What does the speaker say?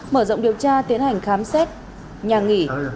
mở rộng điều tra tiến hành khám xét nhà nghỉ